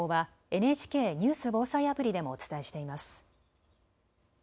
大雨に関する情報はＮＨＫニュース・防災アプリでもお伝えしています。